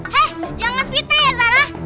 heh jangan fitnah ya sarah